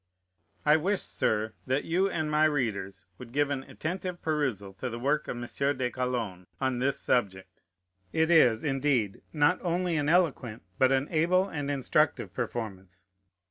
I wish, Sir, that you and my readers would give an attentive perusal to the work of M. de Calonne on this subject. It is, indeed, not only an eloquent, but an able and instructive performance.